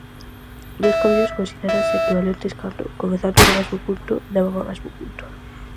Dous camiños considéranse equivalentes cando, comezando no mesmo punto, levan ó mesmo punto.